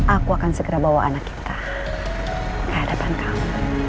aku akan segera bawa anak kita ke hadapan kamu